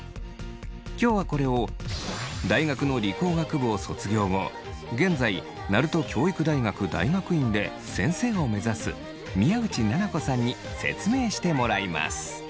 今日はこれを大学の理工学部を卒業後現在鳴門教育大学大学院で先生を目指す宮内菜々子さんに説明してもらいます。